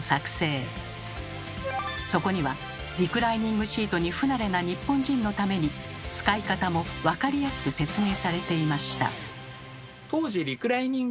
そこにはリクライニングシートに不慣れな日本人のために使い方も分かりやすく説明されていました。